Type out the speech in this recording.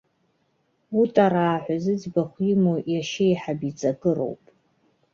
Утараа ҳәа зыӡбахә имоу иашьеиҳаб иҵакыроуп.